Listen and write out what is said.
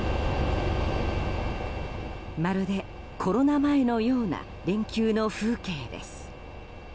まるでコロナ前のような連休の風景です。